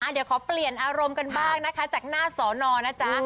เดี๋ยวขอเปลี่ยนอารมณ์กันบ้างนะคะจากหน้าสอนอนะจ๊ะ